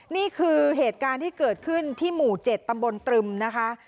นี่คือเหตุการณ์ที่เกิดขึ้นที่หมู่๗ตำบลตรึมนะคะ